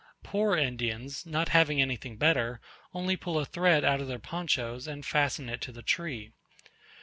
Poor Indians, not having anything better, only pull a thread out of their ponchos, and fasten it to the tree.